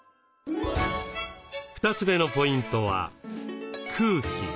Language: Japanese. ２つ目のポイントは空気。